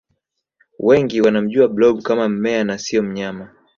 wengi wanamjua blob kama mmea na siyo mnyama